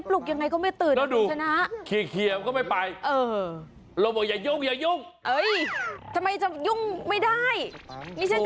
เรื่องสัญชาติได้มาดู